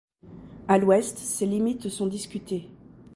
À l'ouest ses limites sont discutées.